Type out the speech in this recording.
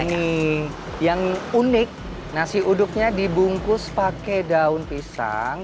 ini yang unik nasi uduknya dibungkus pakai daun pisang